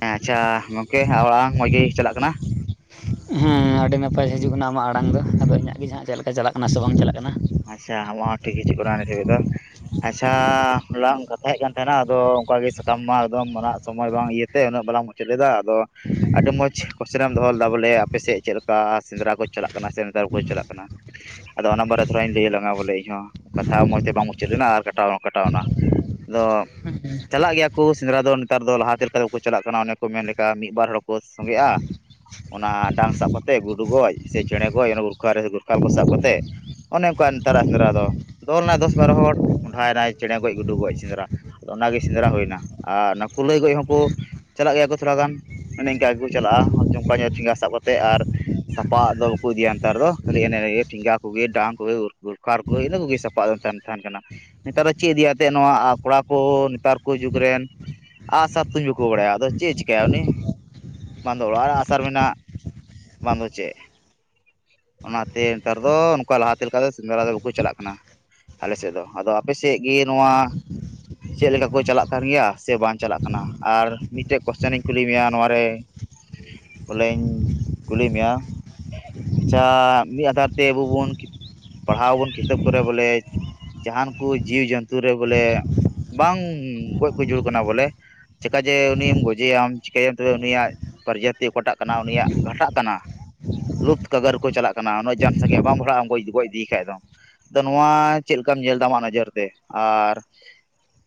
ᱦᱮᱸ ᱟᱪᱪᱷᱟ ᱜᱚᱝᱠᱮ ᱟᱲᱟᱝ ᱢᱚᱸᱡᱽ ᱜᱮ ᱪᱟᱞᱟᱜ ᱠᱟᱱᱟ? ᱦᱮᱸ ᱟᱹᱰᱤ ᱱᱟᱯᱟᱭ ᱦᱤᱡᱩᱜ ᱠᱟᱱᱟ ᱟᱢᱟᱜ ᱟᱲᱟᱝ ᱫᱚ, ᱟᱫᱚ ᱤᱧᱟᱹᱜ ᱜᱮ ᱦᱟᱸᱜ ᱪᱮᱫ ᱞᱮᱠᱟ ᱪᱟᱞᱟᱜ ᱠᱟᱱᱟ ᱥᱮ ᱵᱟᱝ ᱪᱟᱞᱟᱜ ᱠᱟᱱᱟ? ᱟᱪᱪᱷᱟ ᱟᱢᱟᱜ ᱦᱚᱸ ᱴᱷᱤᱠ ᱦᱤᱡᱩᱜ ᱠᱟᱱᱟ ᱱᱤᱛ ᱫᱷᱟᱹᱵᱤᱡ ᱫᱚ᱾ ᱟᱪᱪᱷᱟ ᱞᱟᱝ ᱠᱟᱛᱷᱟ ᱮᱡ ᱠᱟᱱ ᱛᱟᱦᱮᱸᱱᱟ ᱟᱫᱚ ᱚᱱᱠᱟ ᱜᱮ ᱥᱟᱠᱟᱢ ᱢᱟ ᱮᱠᱫᱚᱢ ᱢᱟᱨᱟᱜ ᱥᱚᱢᱚᱭ ᱵᱟᱝ ᱤᱭᱟᱹ ᱛᱮ ᱩᱱᱟᱹᱜ ᱵᱟᱞᱟᱝ ᱢᱩᱪᱟᱹᱫ ᱞᱮᱫᱟ ᱟᱫᱚ ᱟᱹᱰᱤ ᱢᱚᱸᱡᱽ ᱠᱚᱥᱪᱮᱱᱮᱢ ᱫᱚᱦᱚ ᱞᱮᱫᱟ ᱵᱚᱞᱮ ᱟᱯᱮᱥᱮᱫ ᱪᱮᱫ ᱞᱮᱠᱟ ᱥᱮᱸᱫᱽᱨᱟ ᱠᱚ ᱪᱟᱞᱟᱜ ᱠᱟᱱᱟ ᱥᱮ ᱱᱮᱛᱟᱨ ᱵᱟᱠᱚ ᱪᱟᱞᱟᱜ ᱠᱟᱱᱟ, ᱟᱫᱚ ᱚᱱᱟ ᱵᱟᱨᱮ ᱛᱷᱚᱲᱟᱧ ᱞᱟᱹᱭ ᱟᱞᱟᱝ ᱵᱚᱞᱮ ᱤᱧᱦᱚᱸ ᱠᱟᱛᱷᱟ ᱢᱚᱡᱽ ᱛᱮ ᱵᱟᱝ ᱢᱩᱪᱟᱹᱫ ᱞᱮᱱᱟ ᱟᱨ ᱠᱟᱴᱟᱣ ᱠᱟᱴᱟᱣᱱᱟ, ᱱᱚᱣᱟ ᱪᱟᱞᱟᱜ ᱜᱮᱭᱟ ᱠᱚ ᱥᱮᱸᱫᱽᱨᱟ ᱫᱚ ᱱᱮᱛᱟᱨ ᱫᱚ ᱞᱟᱦᱟᱛᱮ ᱞᱮᱠᱟ ᱵᱟᱠᱚ ᱪᱟᱞᱟᱜ ᱠᱟᱱᱟ ᱚᱱᱮ ᱠᱚ ᱢᱮᱱ ᱞᱮᱠᱟ ᱢᱤᱫ ᱵᱟᱨ ᱦᱚᱲ ᱠᱚ ᱥᱚᱸᱜᱮᱜᱼᱟ᱾ ᱚᱱᱟ ᱰᱟᱝ ᱥᱟᱵ ᱠᱟᱛᱮᱜ ᱜᱩᱰᱩ ᱜᱚᱡ, ᱥᱮ ᱪᱮᱬᱮ ᱜᱚᱡ, ᱚᱱᱟ ᱜᱩᱨᱠ ᱜᱩᱨᱠᱷᱟᱞ ᱠᱚ ᱥᱟᱵ ᱠᱟᱛᱮᱫ ᱚᱱᱮ ᱚᱱᱠᱟ ᱱᱮᱛᱟᱨᱟᱜ ᱥᱮᱸᱫᱽᱨᱟ ᱫᱚ ᱫᱚᱞ ᱨᱮᱱᱟᱜ ᱫᱚᱥ ᱵᱟᱨᱚ ᱦᱚᱲ ᱠᱚᱸᱰᱟᱭᱱᱟᱭ ᱪᱮᱬᱮ ᱜᱚᱡ ᱜᱩᱰᱩ ᱜᱚᱡ ᱥᱮᱸᱫᱽᱨᱟ ᱟᱫᱚ ᱚᱱᱟᱜᱮ ᱥᱮᱸᱫᱽᱨᱟ ᱦᱩᱭᱱᱟ ᱟᱨ ᱚᱱᱟ ᱠᱩᱞᱟᱹᱭ ᱜᱚᱡ ᱦᱚᱸᱠᱚ ᱪᱟᱞᱟᱜ ᱜᱮᱭᱟ ᱠᱚ ᱛᱷᱚᱲᱟ ᱜᱟᱱ ᱚᱱᱮ ᱤᱱᱠᱟᱹ ᱟᱹᱜᱩ ᱪᱟᱞᱟᱜᱼᱟ ᱡᱚᱱᱠᱟ ᱧᱚᱜ ᱪᱷᱮᱸᱜᱟ ᱥᱟᱵ ᱠᱟᱛᱮᱫ ᱟᱨ ᱥᱟᱯᱟᱵ ᱫᱚ ᱵᱟᱠᱚ ᱤᱫᱤᱭᱟ ᱱᱮᱛᱟᱨ ᱫᱚ ᱠᱷᱟᱹᱞᱤ ᱮᱱᱮᱡ ᱨᱮ ᱴᱷᱮᱜᱟ ᱠᱚᱜᱮ, ᱰᱟᱝ ᱠᱚ ᱩᱩᱨᱜ [unintelligible] ᱠᱟᱨ ᱠᱚ ᱤᱱᱟᱹ ᱠᱚᱜᱮ ᱥᱟᱯᱟ ᱛᱟᱦᱮᱱ ᱠᱟᱱᱟ᱾ ᱱᱮᱛᱟᱨ ᱫᱚ ᱪᱮᱫ ᱤᱫᱤᱭᱟ ᱛᱮ ᱱᱚᱣᱟ ᱠᱚᱲᱟ ᱠᱚ ᱱᱮᱛᱟᱨ ᱠᱚ ᱡᱩᱜᱽ ᱨᱮᱱ ᱟᱜ ᱥᱟᱨ ᱛᱩᱧ ᱵᱟᱠᱩ ᱵᱟᱲᱟᱭᱟ ᱟᱫᱚ ᱪᱮᱫ ᱪᱤᱠᱟᱭᱟ ᱩᱱᱤ? ᱵᱟᱝᱫᱚ ᱚᱲᱟᱜ ᱟᱥᱟᱨ ᱢᱮᱱᱟᱜ, ᱵᱟᱝᱫᱚ ᱪᱮᱫ? ᱚᱱᱟ ᱛᱮ ᱱᱮᱛᱟᱨ ᱫᱚ ᱚᱠᱟ ᱞᱟᱦᱟᱛᱮ ᱞᱮᱠᱟ ᱞᱮᱠᱟᱛᱮ ᱥᱮᱸᱫᱽᱨᱟ ᱫᱚ ᱵᱟᱠᱚ ᱪᱟᱞᱟᱜ ᱠᱟᱱᱟ ᱟᱞᱮ ᱥᱮᱫ ᱫᱚ ᱟᱫᱚ ᱟᱯᱮᱥᱮᱫ ᱜᱮ ᱱᱚᱣᱟ ᱪᱮᱫ ᱞᱮᱠᱟ ᱠᱚ ᱪᱟᱞᱟᱜ ᱠᱟᱱ ᱜᱮᱭᱟ ᱥᱮ ᱵᱟᱝ ᱪᱟᱞᱟᱜ ᱠᱟᱱᱟ ᱟᱨ ᱢᱤᱫᱴᱮᱱ ᱠᱚᱥᱪᱮᱱ ᱤᱧ ᱠᱩᱞᱤ ᱢᱮᱭᱟ ᱱᱚᱣᱟᱨ ᱨᱮ [inaudible] ᱵᱚᱞᱮᱧ ᱠᱩᱞᱤ ᱢᱮᱭᱟ ᱟᱪᱪᱷᱟ ᱢᱤᱫ ᱟᱫᱷᱟᱨ ᱛᱮ ᱟᱵᱚ ᱵᱚᱱ, ᱯᱟᱲᱦᱟᱣ ᱟᱵᱚᱱ ᱠᱤᱛᱟᱹᱵ ᱠᱚᱨᱮ ᱵᱚᱞᱮ ᱡᱟᱸᱦᱟᱱ ᱠᱚ ᱡᱤᱣ ᱡᱚᱱᱛᱩ ᱨᱮ ᱵᱚᱞᱮ, ᱵᱟᱝ ᱜᱚᱡ ᱠᱚ ᱡᱩᱲ ᱠᱟᱱᱟ ᱵᱚᱞᱮ ᱪᱮᱠᱟ ᱡᱮ ᱩᱱᱤᱢ ᱜᱚᱡᱮᱭᱟᱢ ᱪᱤᱠᱟᱹᱭᱟᱢ ᱛᱮ ᱩᱱᱤᱭᱟᱜ, ᱯᱨᱚᱡᱟᱛᱤ ᱚᱠᱟᱴᱟᱜ ᱠᱟᱱᱟ ᱩᱱᱤᱭᱟᱜ ᱜᱷᱟᱴᱟᱜ ᱠᱟᱱᱟ᱾ ᱞᱩᱛ ᱠᱟᱫᱟᱨ ᱠᱚ ᱪᱟᱞᱟᱜ ᱠᱟᱱᱟ ᱩᱱᱟᱹᱜ ᱡᱟᱸᱠ ᱥᱟᱸᱜᱮᱭᱟᱜ ᱵᱟᱝ ᱵᱟᱰᱷᱟᱜ-ᱟ᱾ ᱦᱳᱭ ᱜᱚᱡ ᱤᱫᱤᱭᱮ ᱠᱷᱟᱡ ᱫᱚ ᱟᱫᱚ ᱱᱚᱣᱟ ᱪᱮᱫ ᱞᱮᱠᱟᱢ ᱧᱮᱞ ᱫᱟ ᱟᱢᱟᱜ ᱱᱚᱡᱚᱨ ᱛᱮ ᱟᱨ,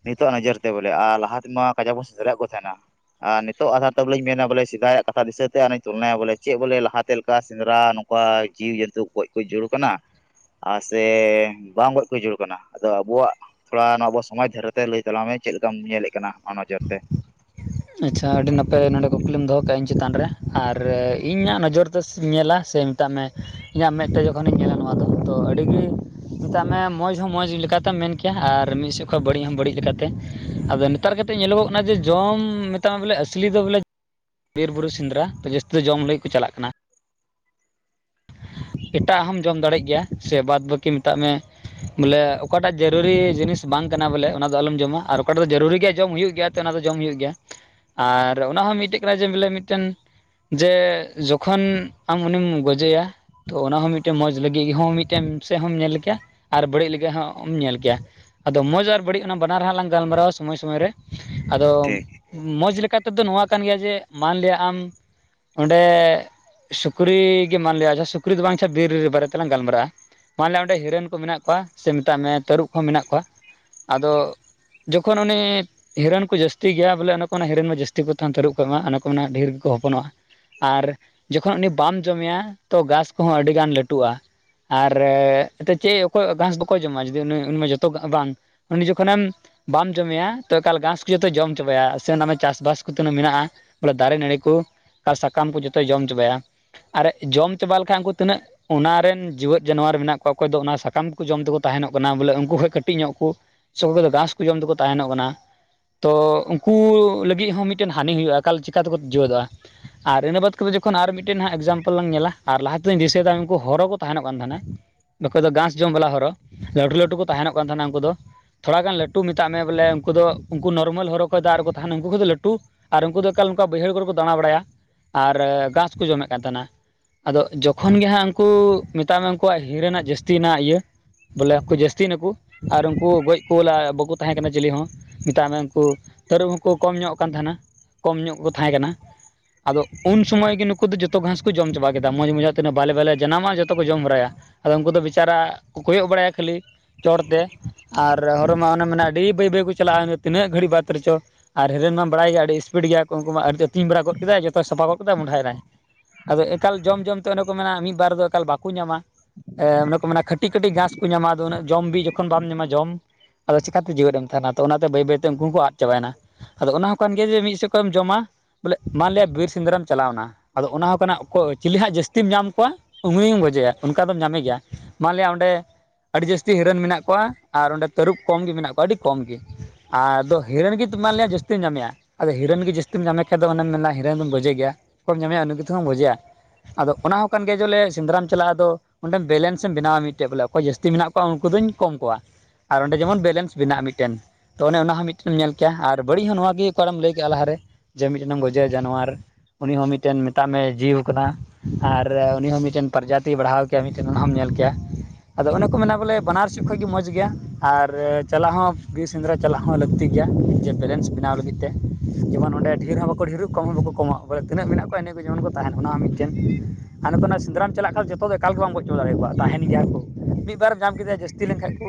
ᱱᱤᱛᱚᱜ ᱱᱚᱡᱚᱨ ᱛᱮ ᱵᱚᱞᱮ ᱟᱨ ᱞᱟᱦᱟ ᱛᱮᱢᱟ ᱠᱟᱡᱟ ᱠᱚ ᱥᱮᱸᱫᱽᱨᱟ ᱭᱮᱫ ᱠᱚ ᱛᱟᱸᱦᱮᱱᱟ᱾ ᱟᱨ ᱱᱤᱛᱚᱜ ᱟᱫᱷᱟᱨ ᱛᱮ ᱵᱚᱞᱮᱧ ᱢᱮᱱᱟ ᱵᱚᱞᱮ ᱥᱮᱫᱟᱭᱟᱜ ᱠᱟᱛᱷᱟ ᱫᱤᱥᱟᱹᱛᱮ ᱟᱱᱮ ᱛᱩᱞᱱᱟᱭᱟ ᱵᱚᱞᱮ ᱪᱮᱫ ᱵᱚᱞᱮ ᱞᱟᱦᱟᱛᱮ ᱞᱮᱠᱟ ᱥᱮᱸᱫᱽᱨᱟ, ᱚᱣᱟᱭ ᱡᱤᱵᱽᱡᱚᱱᱛᱩ ᱜᱚᱡ ᱠᱚ ᱡᱩᱲ ᱠᱟᱱᱟ᱾ ᱟᱨ ᱥᱮ ᱵᱟᱝ ᱜᱚᱡ ᱠᱚ ᱡᱩᱲ ᱠᱟᱱᱟ ᱟᱫᱚ ᱟᱵᱚᱣᱟᱜ, ᱛᱷᱚᱲᱟ ᱱᱚᱣᱟ ᱟᱵᱚ ᱥᱚᱢᱟᱡᱽ ᱫᱷᱟᱨᱮ ᱛᱮ ᱞᱟᱹᱭ ᱛᱟᱞᱟᱝ ᱢᱮ ᱪᱮᱫ ᱞᱮᱠᱟᱢ ᱧᱮᱞᱮᱫ ᱠᱟᱱᱟ ᱟᱢᱟᱜ ᱱᱚᱡᱚᱨ ᱛᱮ, ᱟᱪᱪᱷᱟ ᱟᱹᱰᱤ ᱱᱟᱯᱟᱭ ᱱᱚᱰᱮ ᱠᱩᱠᱞᱤᱢ ᱫᱚᱦᱚ ᱠᱟᱜ-ᱟ, ᱤᱧ ᱪᱮᱛᱟᱱ ᱨᱮ ᱟᱨ ᱤᱧᱟᱹᱜ ᱱᱚᱡᱚᱨ ᱛᱮᱧ ᱧᱮᱞᱟ ᱥᱮ, ᱢᱮᱛᱟᱜ ᱢᱮ ᱤᱧᱟᱹᱜ ᱢᱮᱫ ᱛᱮ ᱡᱚᱠᱷᱚᱱᱤᱧ ᱧᱮᱞᱟ ᱱᱚᱣᱟ ᱫᱚ ᱛᱚ ᱟᱹᱰᱤ ᱜᱮ, ᱢᱮᱛᱟᱜ ᱢᱮ ᱢᱚᱡᱽ ᱦᱚᱸ ᱢᱚᱡᱽ ᱞᱮᱠᱟᱛᱮᱢ ᱢᱮᱱ ᱠᱮᱭᱟ ᱟᱨ ᱢᱤᱫ ᱥᱮᱫ ᱠᱷᱚᱡ ᱵᱟᱹᱲᱤᱡ ᱦᱚᱸ ᱵᱟᱹᱲᱤᱡ ᱞᱮᱠᱟᱛᱮ ᱟᱫᱚ ᱦᱟᱛᱟᱨ ᱠᱟᱛᱮᱫ ᱧᱮᱞᱚᱜᱚᱜ ᱠᱟᱱᱟ ᱡᱮ ᱡᱚᱢ ᱢᱮᱛᱟᱢᱟ ᱵᱚᱞᱮ ᱟᱹᱥᱞᱤ ᱫᱚ ᱵᱚᱞᱮ, ᱵᱤᱨ ᱵᱩᱨᱩ ᱥᱮᱸᱫᱽᱨᱟ ᱫᱚ ᱡᱟᱹᱥᱛᱤ ᱫᱚ ᱡᱚᱢ ᱞᱟᱹᱜᱤᱫ ᱠᱚ ᱪᱟᱞᱟᱜ ᱠᱟᱱᱟ᱾ ᱮᱴᱟᱜ ᱦᱚᱸᱢ ᱡᱚᱢ ᱫᱟᱲᱮᱜ ᱜᱮᱭᱟ ᱥᱮ ᱵᱟᱫ ᱵᱟᱹᱠᱤ ᱢᱮᱛᱟᱜ ᱢᱮ, ᱵᱚᱞᱮ ᱚᱠᱟᱴᱟᱜ ᱡᱟᱹᱨᱩᱨᱤ ᱡᱤᱱᱤᱥ ᱵᱟᱝ ᱠᱟᱱᱟ ᱵᱚᱞᱮ ᱚᱱᱟ ᱫᱚ ᱟᱞᱚᱢ ᱡᱚᱢᱟ ᱟᱨ ᱚᱠᱟᱴᱟᱜ ᱫᱚ ᱡᱟᱹᱨᱩᱨᱤ ᱜᱮ ᱡᱚᱢ ᱦᱩᱭᱩᱜ ᱜᱮᱭᱟ᱾ ᱚᱱᱟ ᱫᱚ ᱡᱚᱢ ᱦᱩᱭᱩᱜ ᱜᱮᱭᱟ ᱟᱨ ᱚᱱᱟ ᱦᱚᱸ ᱢᱤᱫᱴᱮᱡ ᱠᱟᱱᱟ ᱡᱮ ᱵᱚᱞᱮ ᱢᱤᱫᱴᱮᱱ, ᱡᱮ ᱡᱚᱠᱷᱚᱱ ᱟᱢ ᱩᱱᱤᱢ ᱜᱚᱡᱮᱭᱟ, ᱛᱚ ᱚᱱᱟ ᱦᱚᱸ ᱢᱤᱫᱴᱮᱱ ᱢᱚᱡᱽ ᱞᱟᱹᱜᱤᱫ ᱦᱚᱸ ᱢᱤᱫᱴᱮᱱ ᱥᱮᱫ ᱦᱚᱸᱢ ᱧᱮᱞ ᱠᱮᱭᱟ ᱟᱨ ᱵᱟᱹᱲᱤᱡ ᱞᱟᱹᱜᱤᱫ ᱦᱚᱸᱢ ᱧᱮᱞ ᱠᱮᱭᱟ᱾ ᱟᱫᱚ ᱢᱚᱡᱽ ᱟᱨ ᱵᱟᱹᱲᱤᱡ ᱚᱱᱟ ᱵᱟᱱᱟᱨ ᱦᱟᱸᱜ ᱞᱟᱝ ᱜᱟᱞᱢᱟᱨᱟᱣᱟ ᱥᱚᱢᱚᱭ ᱥᱚᱢᱚᱭ ᱨᱮ ᱟᱫᱚ ᱴᱷᱤᱠ ᱢᱚᱡᱽ ᱞᱮᱠᱟ ᱛᱮᱫᱚ ᱱᱚᱣᱟ ᱠᱟᱱ ᱜᱮᱭᱟ ᱡᱮ ᱢᱟᱱᱞᱮ ᱟᱢ ᱚᱸᱰᱮ ᱥᱩᱠᱨᱤ ᱜᱮ ᱢᱟᱱᱞᱮᱭᱟ ᱟᱪᱪᱷᱟ ᱥᱩᱠᱨᱤ ᱫᱚ ᱵᱟᱝ ᱟᱪᱪᱷᱟ ᱵᱤᱨ ᱵᱟᱨᱮ ᱛᱮᱞᱟᱝ ᱜᱟᱞᱢᱟᱨᱟᱜ-ᱟ᱾ ᱢᱟᱱᱞᱮ ᱚᱸᱰᱮ ᱦᱤᱨᱟᱹᱱ ᱠᱚ ᱢᱮᱱᱟᱜ ᱠᱚᱣᱟ ᱥᱮ ᱢᱮᱛᱟᱜ ᱢᱮ ᱛᱟᱹᱨᱩᱵᱽ ᱠᱚᱸ ᱢᱮᱱᱟᱜ ᱠᱚᱣᱟ ᱟᱫᱚ, ᱡᱚᱠᱷᱚᱱ ᱚᱱᱮ, ᱦᱤᱨᱟᱹᱱ ᱠᱚ ᱡᱟᱹᱥᱛᱤ ᱜᱮᱭᱟ ᱵᱚᱞᱮ ᱚᱱᱮ ᱠᱚ ᱦᱤᱨᱟᱹᱱ ᱢᱟ ᱡᱟᱹᱥᱛᱤ ᱠᱚ ᱛᱟᱦᱮᱱ ᱛᱟᱹᱨᱩᱵᱽ ᱠᱷᱚᱱᱟᱜ ᱢᱟ ᱚᱱᱮ ᱠᱚ ᱢᱮᱱᱟ ᱰᱷᱮᱨ ᱜᱮᱠᱚ ᱦᱚᱯᱚᱱᱚᱜ-ᱟ᱾ ᱟᱨ ᱡᱚᱠᱷᱚᱱ ᱩᱱᱤ ᱵᱟᱢ ᱡᱚᱢᱮᱭᱟ ᱛᱚ ᱜᱷᱟᱥ ᱠᱚᱦᱚᱸ ᱟᱹᱰᱤ ᱜᱟᱱ ᱞᱟᱹᱴᱩᱜ-ᱟ᱾ ᱟᱨ ᱮᱱᱛᱮᱫ ᱪᱮᱫ ᱚᱠᱚᱭ ᱜᱷᱟᱸᱥ ᱠᱚᱠᱚ ᱡᱚᱢᱟ ᱡᱩᱫᱤ ᱩᱱᱤ ᱡᱚᱛᱚ ᱵᱟᱝ, ᱩᱱᱤ ᱡᱚᱠᱷᱚᱱᱮᱢ, ᱵᱟᱢ ᱡᱚᱢᱮᱭᱟ ᱛᱚ ᱮᱠᱟᱞ ᱜᱷᱟᱥ ᱠᱚ ᱡᱚᱛᱚ ᱡᱚᱢ ᱪᱟᱵᱟᱭᱟ ᱥᱮ ᱚᱱᱟ ᱪᱟᱥᱵᱟᱥ ᱠᱚᱛᱮ ᱢᱮᱱᱟᱜ-ᱟ᱾ ᱵᱚᱞᱮ ᱫᱟᱨᱮ ᱱᱟᱹᱲᱤ ᱠᱚ ᱟᱨ ᱥᱟᱠᱟᱢ ᱠᱚ ᱡᱚᱛᱚᱭ ᱡᱚᱢ ᱪᱟᱵᱟᱭᱟ ᱟᱨ ᱡᱚᱢ ᱪᱟᱵᱟ ᱞᱮᱠᱷᱟᱱ ᱩᱱᱠᱩ ᱛᱤᱱᱟᱹᱜ, ᱚᱱᱟᱨᱮ ᱨᱮᱱ ᱡᱤᱣᱮᱫ ᱡᱟᱱᱣᱟᱨ ᱢᱮᱱᱟᱜ ᱠᱚᱣᱟ ᱚᱠᱚᱭ ᱫᱚ ᱚᱱᱟ ᱥᱟᱠᱟᱢ ᱠᱚ ᱡᱚᱢ ᱛᱮᱠᱚ ᱛᱟᱦᱮᱱᱚᱜ ᱠᱟᱱᱟ ᱵᱚᱞᱮ ᱩᱱᱠᱩ ᱠᱷᱚᱡ ᱠᱟᱹᱴᱤᱡ ᱧᱚᱜ ᱠᱚ [unintelligible] ᱜᱷᱟᱥ ᱠᱚ ᱡᱚᱢ ᱛᱮᱠᱚ ᱛᱟᱦᱮᱱᱚᱜ ᱠᱟᱱᱟ᱾ ᱛᱚ ᱩᱱᱠᱩ ᱞᱟᱹᱜᱤᱫ ᱦᱚᱸ ᱢᱤᱫᱴᱮᱱ ᱦᱟᱹᱱᱤ ᱦᱩᱭᱩᱜ-ᱟ᱾ ᱮᱠᱟᱞ ᱪᱤᱠᱟᱹ ᱛᱮᱠᱚ ᱡᱮᱣᱮᱫᱚᱜ-ᱟ᱾ ᱟᱨ ᱤᱱᱟᱹ ᱵᱟᱫᱽ ᱠᱟᱛᱮ ᱡᱚᱠᱷᱚᱱ ᱟᱨ ᱢᱤᱫᱴᱮᱱ ᱦᱟᱸᱜ ᱮᱠᱡᱟᱢᱯᱮᱞ ᱞᱟᱝ ᱧᱮᱞᱟ᱾ ᱟᱨ ᱞᱟᱦᱟ ᱛᱮᱫᱚ ᱫᱤᱥᱟᱹᱭᱮᱫᱟ ᱩᱱᱠᱩ ᱦᱚᱨᱚ ᱠᱚ ᱛᱟᱦᱮᱱᱚᱜ ᱠᱟᱱ ᱛᱟᱦᱮᱱᱟ᱾ ᱚᱠᱚᱭ ᱫᱚ ᱜᱷᱟᱥ ᱡᱚᱢ ᱵᱟᱞᱟ ᱦᱚᱨᱚ ᱞᱟᱹᱴᱩ ᱞᱟᱹᱴᱩ ᱠᱚ ᱛᱟᱸᱦᱮᱱᱚᱜ ᱠᱟᱱ ᱛᱟᱸᱦᱮᱱᱟ ᱩᱱᱠᱩ ᱫᱚ᱾ ᱛᱷᱚᱲᱟ ᱜᱟᱱ ᱞᱟᱹᱴᱩ ᱢᱮᱛᱟᱜ ᱢᱮ ᱵᱚᱞᱮ ᱩᱱᱠᱩ ᱫᱚ ᱩᱱᱠᱩ ᱱᱚᱨᱢᱟᱞ ᱦᱚᱨᱚ ᱠᱷᱚᱡ ᱫᱟᱜ ᱨᱮᱠᱚ ᱛᱟᱸᱦᱮᱱᱟ ᱩᱱᱠᱩ ᱠᱚᱫᱚ ᱞᱟᱹᱴᱩ ᱟᱨ ᱩᱱᱠᱩ ᱫᱚ ᱮᱠᱟᱞ ᱱᱚᱝᱠᱟ ᱵᱟᱹᱭᱦᱟᱹᱲ ᱠᱚᱨᱮ ᱠᱚ ᱫᱟᱬᱟ ᱵᱟᱲᱟᱭᱟ ᱟᱨ ᱜᱷᱟᱥ ᱠᱚ ᱡᱚᱢᱮᱫ ᱠᱟᱱ ᱛᱟᱸᱦᱮᱱᱟ᱾ ᱟᱫᱚ ᱡᱚᱠᱷᱚᱱ ᱜᱮ ᱦᱟᱸᱜ ᱩᱱᱠᱩ ᱢᱮᱛᱟᱜ ᱢᱮ ᱩᱱᱠᱩᱣᱟᱜ ᱦᱤᱨᱟᱹᱱᱟᱜ ᱡᱟᱹᱥᱛᱤ ᱨᱮᱱᱟᱜ ᱤᱭᱟᱹ ᱵᱚᱞᱮ ᱩᱱᱠᱩ ᱡᱟᱹᱥᱛᱤᱭ ᱱᱟᱠᱚ ᱟᱨ ᱩᱱᱠᱩ ᱜᱚᱡ ᱠᱚᱞᱟ ᱵᱟᱠᱚ ᱛᱟᱸᱦᱮ ᱠᱟᱱᱟ ᱪᱤᱞᱤ ᱦᱚᱸ᱾ ᱢᱮᱛᱟᱜ ᱢᱮ ᱩᱱᱠᱩ ᱛᱟᱹᱨᱩᱵᱽ ᱦᱚᱸᱠᱚ ᱠᱚᱢ ᱧᱚᱜ ᱠᱟᱱ ᱛᱟᱸᱦᱮᱱᱟ ᱠᱚᱢ ᱧᱚᱜ ᱠᱚ ᱛᱟᱸᱦᱮ ᱠᱟᱱᱟ᱾ ᱟᱫᱚ ᱩᱱ ᱥᱚᱢᱚᱭ ᱜᱮ ᱱᱩᱠᱩ ᱫᱚ ᱡᱚᱛᱚ ᱜᱷᱟᱥ ᱠᱚ ᱡᱚᱢ ᱪᱟᱵᱟ ᱠᱮᱫᱟ ᱢᱚᱡᱽ ᱢᱚᱡᱷᱟᱜ ᱛᱤᱱᱟᱹᱜ ᱵᱟᱞᱮ ᱵᱟᱞᱮ ᱡᱟᱱᱟᱢᱚᱜ-ᱟ ᱡᱚᱛᱚ ᱠᱚ ᱡᱚᱢ ᱦᱚᱨᱟᱭᱟ ᱟᱫᱚ ᱩᱱᱠᱩ ᱫᱚ ᱵᱮᱪᱟᱨᱟ ᱠᱚᱭᱚᱜ ᱵᱟᱲᱟᱭᱟ ᱠᱷᱟᱹᱞᱤ ᱪᱚᱴᱛᱮ ᱟᱨ ᱦᱚᱨᱚ ᱢᱟ ᱚᱱᱮ ᱢᱟᱱᱮ ᱟᱹᱰᱤ ᱵᱟᱹᱭ ᱵᱟᱹᱭ ᱠᱚ ᱪᱟᱞᱟᱜ-ᱟ, ᱚᱱᱮ ᱛᱤᱱᱟᱹᱜ ᱜᱷᱟᱹᱲᱤᱡ ᱵᱟᱫᱽ ᱨᱮᱪᱚ ᱟᱨ ᱦᱤᱨᱟ. ᱱ ᱢᱟ ᱵᱟᱲᱟᱭ ᱜᱮᱭᱟ ᱟᱹᱰᱤ ᱤᱥᱯᱤᱰ ᱜᱮᱭᱟ ᱠᱚ ᱩᱱᱠᱩ ᱢᱟ ᱟᱹᱰᱤ ᱟᱹᱛᱤᱧ ᱵᱟᱲᱟ ᱜᱚᱫ ᱠᱮᱫᱟᱭ ᱡᱚᱛᱚᱭ ᱥᱟᱯᱷᱟ ᱜᱚᱫ ᱠᱮᱫᱟᱭ ᱢᱚᱸᱰᱟᱭ ᱮᱱᱟᱭ᱾ ᱟᱫᱚ ᱮᱠᱟᱞ ᱡᱚᱢ-ᱡᱚᱢ ᱛᱮ ᱚᱱᱮ ᱠᱚ ᱢᱮᱱᱟ ᱢᱤᱫᱵᱟᱨ ᱫᱚ ᱮᱠᱟᱞ ᱵᱟᱠᱚ ᱧᱟᱢᱟ᱾ ᱚᱱᱮ ᱠᱚ ᱢᱮᱱᱟ ᱠᱟᱹᱴᱤᱡ ᱠᱟᱹᱴᱤᱡ ᱜᱷᱟᱥ ᱠᱚ ᱧᱟᱢᱟ ᱟᱫᱚ ᱩᱱᱟᱹᱜ ᱡᱚᱢ ᱵᱤ ᱡᱚᱠᱷᱚᱱ ᱵᱟᱢ ᱧᱟᱢᱟ ᱡᱚᱢ ᱟᱫᱚ ᱪᱤᱠᱟᱛᱮ ᱡᱮᱣᱮᱫ ᱮᱢ ᱛᱟᱸᱦᱮᱱᱟ ᱛᱚ ᱚᱱᱟᱛᱮ ᱵᱟᱹᱭ ᱵᱟᱹᱭᱛᱮ ᱩᱱᱠᱩ ᱦᱚᱸ ᱠᱚ ᱟᱫ ᱪᱟᱵᱟᱭᱮᱱᱟ᱾ ᱟᱫᱚ ᱚᱱᱟ ᱦᱚᱸ ᱠᱟᱱ ᱜᱮᱭᱟ ᱡᱮ ᱢᱤᱫ ᱥᱮᱫ ᱠᱷᱚᱱᱢ ᱡᱚᱢᱟ ᱵᱚᱞᱮ ᱢᱟᱱᱞᱤᱭᱟ ᱵᱤᱨ ᱥᱮᱸᱫᱽᱨᱟᱢ ᱪᱟᱞᱟᱣᱱᱟ ᱟᱫᱚ ᱚᱱᱟ ᱠᱟᱱᱟ ᱚᱠᱚᱰ ᱠᱤᱞᱤ ᱦᱟᱸᱜ ᱡᱟᱹᱥᱛᱤᱢ ᱧᱟᱢ ᱠᱚᱣᱟ ᱩᱱᱤᱢ ᱜᱚᱡᱮᱭᱟ ᱚᱱᱠᱟ ᱫᱚᱢ ᱧᱟᱢᱮ ᱜᱮᱭᱟ ᱢᱟᱱᱞᱭᱟ ᱚᱸᱰᱮ ᱟᱹᱰᱤ ᱡᱟᱹᱥᱛᱤ ᱦᱤᱨᱟᱹᱱ ᱢᱮᱱᱟᱜ ᱠᱚᱣᱟ ᱟᱨ ᱚᱸᱰᱮ ᱛᱟᱹᱨᱩᱵ ᱠᱚᱢ ᱜᱮ ᱢᱮᱱᱟᱜ ᱠᱚᱣᱟ ᱟᱹᱰᱤ ᱠᱚᱢ ᱜᱮ᱾ ᱟᱫᱚ ᱦᱤᱨᱟᱹᱱ ᱜᱮ ᱢᱟᱱ ᱞᱮᱭᱟ ᱡᱟᱹᱥᱛᱤᱢ ᱧᱟᱢᱮᱭᱟ᱾ ᱟᱫᱚ ᱦᱤᱨᱟᱹᱱ ᱜᱮ ᱡᱟᱹᱥᱛᱤᱢ ᱧᱟᱢᱮ ᱠᱷᱟᱱ ᱫᱚ ᱚᱱᱟᱢ ᱢᱮᱱᱟ ᱦᱤᱨᱟᱹᱱ ᱫᱚᱢ ᱜᱚᱡᱮ ᱜᱮᱭᱟ ᱵᱟ ᱠᱚᱢ ᱧᱟᱢᱮᱜ-ᱟ ᱩᱱᱤ ᱛᱮᱦᱚᱸ ᱜᱚᱡᱮᱭᱟ᱾ ᱟᱫᱚ ᱚᱱᱟ ᱦᱚᱸ ᱠᱟᱱ ᱜᱮᱭᱟ ᱡᱚᱞᱮ ᱥᱮᱸᱫᱽᱨᱟᱢ ᱪᱟᱞᱟᱜ-ᱟ ᱟᱫᱚ ᱚᱸᱰᱮ ᱵᱮᱞᱮᱱᱥᱮᱢ ᱵᱮᱱᱟᱣᱟ ᱢᱤᱫᱴᱮᱡ ᱵᱚᱞᱮ ᱚᱠᱚᱭ ᱡᱟᱹᱥᱛᱤ ᱢᱮᱱᱟᱜ ᱠᱚᱣᱟ ᱩᱱᱠᱩ ᱫᱚᱧ ᱠᱚᱢ ᱠᱚᱣᱟ᱾ ᱟᱨ ᱚᱸᱰᱮ ᱡᱮᱢᱚᱱ ᱵᱮᱞᱮᱱᱥ ᱵᱮᱱᱟᱣ ᱢᱤᱫᱴᱮᱱ ᱛᱚ ᱚᱱᱮ ᱚᱱᱟ ᱦᱚᱸ ᱢᱤᱫᱴᱮᱢ ᱧᱮᱞ ᱠᱮᱭᱟ ᱟᱨ ᱵᱟᱹᱲᱤᱡ ᱦᱚᱸ ᱱᱚᱣᱟᱜᱮ ᱚᱠᱟᱨᱮᱢ ᱞᱟᱹᱭ ᱠᱮᱜ-ᱟ ᱞᱟᱦᱟᱨᱮ ᱡᱮ ᱢᱤᱫᱴᱮᱱ ᱜᱚᱡᱮ ᱡᱟᱱᱣᱟᱨ ᱩᱱᱤ ᱦᱚᱸ ᱢᱤᱫᱴᱮᱱ ᱢᱮᱛᱟᱜ ᱢᱮ ᱡᱤᱣᱤ ᱦᱚ ᱠᱟᱱᱟ᱾ ᱟᱨ ᱩᱱᱤ ᱦᱚ ᱢᱤᱫᱴᱮᱱ ᱯᱨᱚᱡᱟᱛᱤᱭ ᱵᱟᱲᱦᱟᱣ ᱠᱮᱭᱟ ᱢᱤᱫᱴᱮᱱ ᱚᱱᱟ ᱦᱚᱢ ᱧᱮᱞ ᱠᱮᱭᱟ᱾ ᱟᱫᱚ ᱚᱱᱮ ᱠᱚ ᱢᱮᱱᱟ ᱵᱚᱞᱮ ᱵᱟᱱᱟᱨ ᱥᱮᱫ ᱠᱷᱚᱡ ᱜᱮ ᱢᱚᱸᱡᱽ ᱜᱮᱭᱟ ᱟᱨ ᱪᱟᱞᱟᱜ ᱦᱚᱸ ᱵᱤᱨ ᱥᱮᱸᱫᱽᱨᱟ ᱪᱟᱞᱟᱜ ᱦᱚᱸ ᱞᱟᱹᱠᱛᱤ ᱜᱮᱭᱟ ᱡᱮ ᱵᱮᱞᱮᱱᱥ ᱵᱮᱱᱟᱣ ᱞᱟᱹᱜᱤᱫ ᱛᱮ ᱡᱮᱢᱚᱱ ᱚᱸᱰᱮ ᱰᱷᱮᱨ ᱦᱚᱸ ᱵᱟᱠᱚ ᱰᱷᱮᱨᱚᱜ ᱠᱚᱢ ᱦᱚᱸ ᱵᱟᱠᱚ ᱠᱚᱢᱚᱜ᱾ ᱵᱚᱞᱮ ᱛᱤᱱᱟᱹᱜ ᱢᱮᱱᱟᱜ ᱠᱚᱣᱟ ᱤᱱᱟᱹ ᱠᱚ ᱡᱮᱢᱚᱱ ᱠᱚ ᱛᱟᱦᱮᱱ ᱚᱱᱟ ᱦᱚᱸ ᱢᱤᱫᱴᱮᱱ᱾ ᱟᱨ ᱱᱚᱛᱮ ᱱᱟᱜ ᱥᱮᱸᱫᱽᱨᱟᱢ ᱪᱟᱞᱟᱜ ᱠᱷᱟᱱ ᱡᱚᱛᱚ ᱫᱚ ᱮᱠᱟᱞ ᱜᱮ ᱵᱟᱢ ᱜᱚᱪ ᱦᱚᱪᱚ ᱫᱟᱲᱮᱭᱟᱠᱚᱣᱟ ᱛᱟᱦᱮᱱ ᱜᱮᱭᱟ ᱠᱚ ᱢᱤᱫ ᱵᱟᱨᱮᱢ ᱧᱟᱢ ᱠᱮᱫᱮᱭᱟ ᱡᱟᱹᱥᱛᱤ ᱞᱮᱠᱷᱟᱡ ᱠᱚ᱾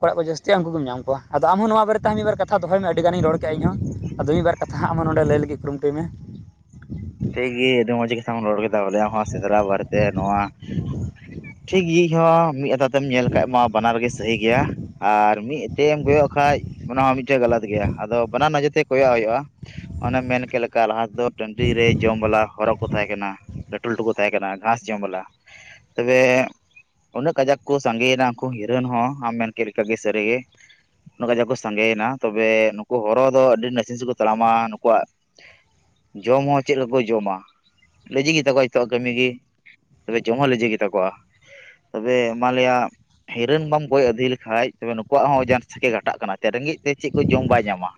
ᱚᱲᱟᱜ ᱠᱚ ᱡᱟᱹᱥᱛᱤᱜ-ᱟ ᱩᱱᱠᱩᱢ ᱧᱟᱢ ᱠᱚᱣᱟ ᱟᱫᱚ ᱟᱢ ᱦᱚ ᱱᱚᱣᱟ ᱵᱟᱨᱮ ᱛᱮ ᱢᱤᱫᱵᱟᱨ ᱠᱟᱛᱷᱟ ᱫᱚᱦᱚᱭ ᱢᱮ ᱟᱹᱰᱤ ᱜᱟᱱᱤᱧ ᱨᱚᱲ ᱠᱮᱜ-ᱟ ᱤᱧ ᱦᱚ ᱟᱫᱚ ᱢᱤᱫ ᱵᱟᱨ ᱠᱟᱛᱷᱟ ᱦᱟᱜ ᱟᱢ ᱱᱚᱰᱮ ᱞᱟᱹᱭ ᱞᱟᱹᱜᱤᱫ ᱠᱩᱨᱩᱢᱩᱴᱩᱭ ᱢᱮ᱾ ᱴᱷᱤᱠ ᱜᱮ ᱢᱚᱡᱽ ᱜᱮ᱾ ᱨᱚᱲ ᱠᱮᱫᱟ ᱵᱚᱞᱮ ᱟᱢᱦᱚᱸ ᱥᱮᱸᱫᱽᱨᱟ ᱵᱟᱨᱮ ᱛᱮ ᱱᱚᱣᱟ ᱴᱷᱤᱠ ᱜᱮ ᱦᱚᱸ ᱢᱤᱫ ᱠᱟᱛᱷᱟ ᱢᱮᱫ ᱧᱮᱞ ᱠᱷᱟᱡ ᱢᱟ ᱵᱟᱱᱟᱨ ᱜᱮ ᱥᱟᱹᱦᱤ ᱜᱮᱭᱟ ᱟᱨ ᱢᱤᱫ ᱪᱮᱫ ᱮᱢ ᱠᱚᱭᱚᱜ ᱠᱷᱟᱱ ᱚᱱᱟ ᱦᱚᱸ ᱢᱤᱫᱴᱮᱱ ᱜᱟᱞᱟᱛ ᱜᱮᱭᱟ ᱟᱫᱚ ᱵᱟᱱᱟᱨ ᱱᱚᱡᱚᱨ ᱛᱮ ᱠᱚᱭᱚᱜ ᱦᱩᱭᱩᱜ-ᱟ᱾ ᱚᱱᱮᱢ ᱢᱮᱱ ᱠᱮᱫ ᱞᱮᱠᱟ ᱞᱟᱦᱟ ᱫᱚ ᱴᱟᱺᱰᱤ ᱨᱮ ᱡᱚᱢ ᱵᱟᱞᱟ ᱦᱚᱨᱚ ᱠᱚ ᱛᱟᱦᱮᱸ ᱠᱟᱱᱟ, ᱞᱟᱹᱴᱩ ᱞᱟᱹᱴᱩ ᱠᱚ ᱛᱟᱦᱮᱸ ᱠᱟᱱᱟ ᱜᱷᱟᱸᱥ ᱡᱚᱢ ᱵᱟᱞᱟ ᱛᱚᱵᱮ ᱩᱱᱟᱹᱜ ᱠᱟᱡᱟᱠ ᱠᱚ ᱥᱟᱸᱜᱮᱭᱱᱟ ᱩᱝᱠᱩ ᱦᱤᱨᱟᱹᱱ ᱦᱚᱸ ᱟᱢ ᱢᱮᱱ ᱠᱮᱫ ᱞᱮᱠᱟ ᱜᱮ ᱥᱟᱹᱨᱤ ᱜᱮ ᱩᱱᱟᱹᱜ ᱠᱟᱡᱟᱠ ᱡᱮ ᱠᱚ ᱥᱟᱸᱜᱤᱭᱱᱟ ᱛᱚᱵᱮ ᱱᱩᱠᱩ ᱦᱚᱨᱚ ᱫᱚ ᱟᱹᱰᱤ ᱱᱟᱥᱮ ᱱᱟᱥᱮ ᱠᱚ ᱛᱟᱲᱟᱢᱟ ᱱᱩᱠᱩᱣᱟᱜ ᱡᱚᱢ ᱦᱚᱸ ᱪᱮᱫ ᱠᱚ ᱡᱚᱢᱟ ᱞᱮᱡᱤ ᱜᱮ ᱛᱟᱠᱚᱣᱟ ᱱᱤᱛᱚᱜ ᱠᱟᱹᱢᱤ ᱜᱮ ᱛᱚᱵᱮ ᱡᱚᱢ ᱦᱚᱸ ᱞᱮᱡᱤ ᱜᱮ ᱛᱟᱠᱚᱣᱟ᱾ ᱛᱚᱵᱮ ᱢᱟᱞᱮᱭᱟᱜ ᱦᱤᱨᱟᱹᱱ ᱵᱟᱢ ᱠᱚᱭᱚᱜ ᱟᱹᱫᱽᱦᱤ ᱞᱮᱠᱷᱟᱡ ᱛᱮ ᱱᱩᱠᱩᱣᱟᱜ ᱦᱚᱸ ᱡᱟᱝ ᱥᱮᱠᱮ ᱜᱷᱟᱴᱟᱜ ᱛᱮ ᱠᱟᱱᱟ ᱨᱮᱸᱜᱮᱡ ᱛᱮ ᱪᱮᱜ ᱠᱚ ᱡᱚᱢ ᱵᱟᱭ ᱧᱟᱢᱟ